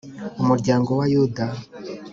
Umuryango wa yuda